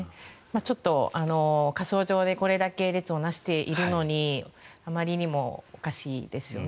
ちょっと火葬場でこれだけ列を成しているのにあまりにもおかしいですよね。